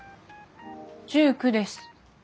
１９です。